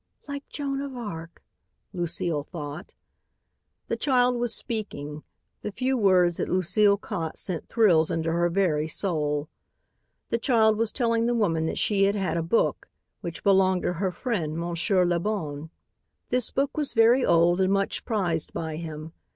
"Like Joan of Arc," Lucile thought. The child was speaking. The few words that Lucile caught sent thrills into her very soul. The child was telling the woman that she had had a book, which belonged to her friend, Monsieur Le Bon. This book was very old and much prized by him.